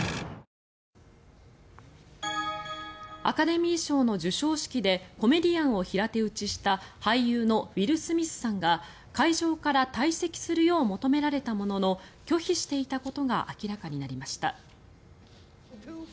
アカデミー賞の授賞式でコメディアンを平手打ちした俳優のウィル・スミスさんが会場から退席するよう求められたものの拒否していたことが明らかになりました。